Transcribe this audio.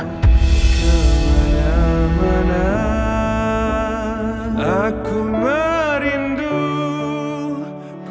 kemana mana aku merindu